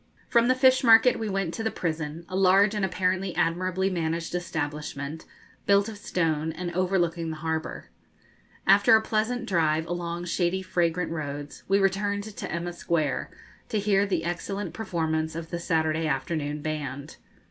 ] From the fish market we went to the prison, a large and apparently admirably managed establishment, built of stone, and overlooking the harbour. After a pleasant drive along shady fragrant roads, we returned to Emma Square, to hear the excellent performance of the Saturday afternoon band.